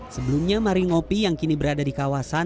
sebelumnya mari ngopi yang kini berada di kawasan